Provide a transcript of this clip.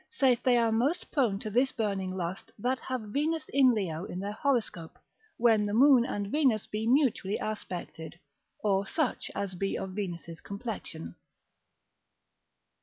saith they are most prone to this burning lust, that have Venus in Leo in their horoscope, when the Moon and Venus be mutually aspected, or such as be of Venus' complexion.